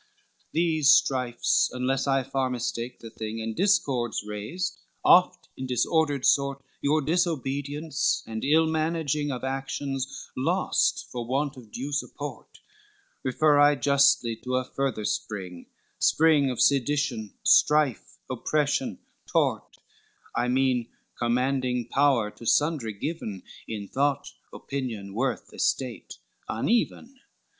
XXX "These strifes, unless I far mistake the thing, And discords raised oft in disordered sort, Your disobedience and ill managing Of actions lost, for want of due support, Refer I justly to a further spring, Spring of sedition, strife, oppression, tort, I mean commanding power to sundry given, In thought, opinion, worth, estate, uneven.